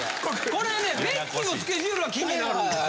これねベッキーもスケジュールが気になるんですよ。